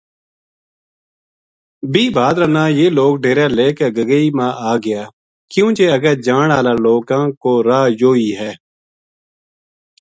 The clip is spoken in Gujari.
بیہہ بھادرا نا یہ لوک ڈیرا لے کے گگئی ما آ گیا کیوں جے اگے جان ہالا لوکاں کو راہ یوہ ہی ہے۔